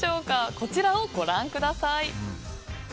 こちらをご覧ください。